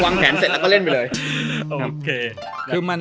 วางแผนเสร็จแล้วก็เล่นไปเลย